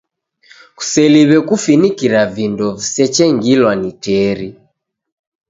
Kuseliw'e kufinikira vindo visechengilwa ni teri.